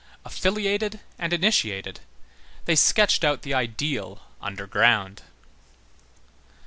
Affiliated and initiated, they sketched out the ideal underground.